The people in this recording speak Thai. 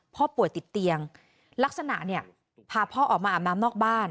พ่อป่วยติดเตียงลักษณะเนี่ยพาพ่อออกมาอาบน้ำนอกบ้าน